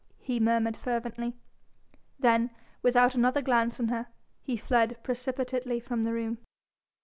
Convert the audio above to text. he murmured fervently. Then without another glance on her, he fled precipitately from the room.